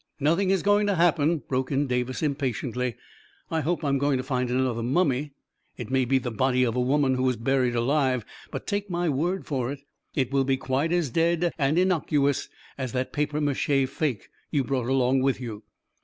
" Nothing is going to happen I " broke in Davis impatiently. " I hope I am going to find another mummy — it may be the body of a woman who was buried alive; but take my word for it, it will be quite as dead and innocuous as that papier mache fake you brought along with you